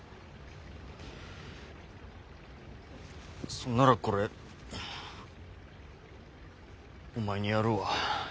そんならこれお前にやるわ。